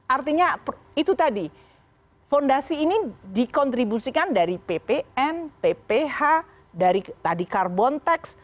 artinya itu tadi fondasi ini dikontribusikan dari ppn pph dari tadi carbon tax